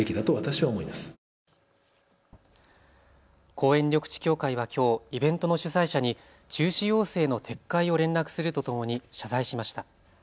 公園緑地協会はきょうイベントの主催者に中止要請の撤回を連絡するとともに謝罪しました。